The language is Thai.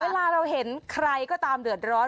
เวลาเราเห็นใครก็ตามเดือดร้อน